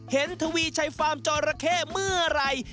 เห็นทวีไชค์ฟาร์มจอระเข้เมื่อไหร่